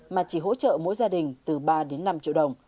mà chỉ hỗ trợ mỗi gia đình từ ba đến năm triệu đồng